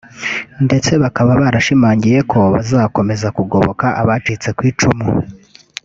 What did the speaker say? ndetse bakaba barashimangiye ko bazakomeza kugoboka abacitse ku icumu